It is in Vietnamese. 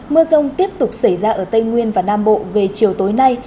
mưa rông tiếp tục xảy ra ở tây nguyên và nam bộ về chiều tối nay